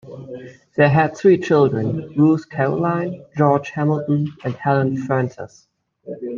They had three children: Ruth Caroline, George Hamilton, and Helen Frances.